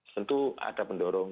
tentu ada pendorong